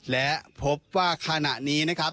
และพบว่าขณะนี้นะครับ